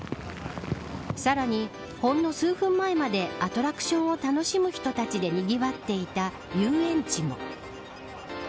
さらに、ほんの数分前までアトラクションを楽しむ人たちでにぎわっていた遊園地も。